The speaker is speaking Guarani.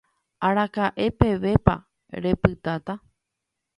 Araka'e pevépa repytáta.